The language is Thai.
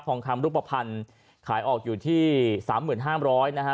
องคำรูปภัณฑ์ขายออกอยู่ที่๓๕๐๐นะฮะ